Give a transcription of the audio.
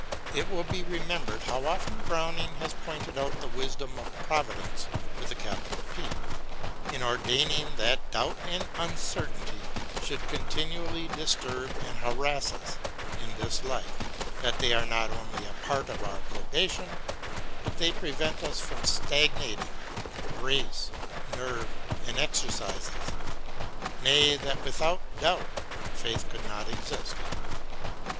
It will be remembered how often Browning has pointed out the wisdom of Providence in ordaining that doubt and uncertainty should continually disturb and harass us in this life ; that they are not only a part of our probation, but they prevent us from stagnating, brace, nerve, and exercise us ; nay, that without doubt faith 204 BROWNING AND BUTLER could not exist.